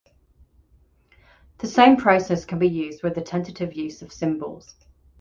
The same process can be used with the tentative use of symbols.